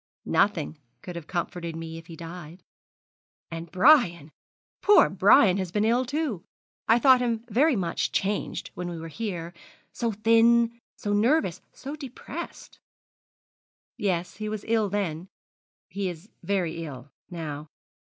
'Nothing could have comforted me if he had died.' 'And Brian poor Brian has been ill, too. I thought him very much changed when we were here so thin, so nervous, so depressed.' 'Yes, he was ill then he is very ill now.